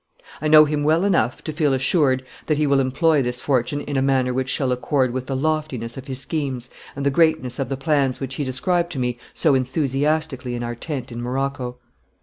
I know him well enough to feel assured that he will employ this fortune in a manner which shall accord with the loftiness of his schemes and the greatness of the plans which he described to me so enthusiastically in our tent in Morocco."